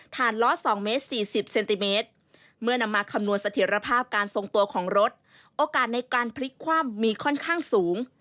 ล้อ๒เมตร๔๐เซนติเมตรเมื่อนำมาคำนวณสถิตภาพการทรงตัวของรถโอกาสในการพลิกคว่ำมีค่อนข้างสูง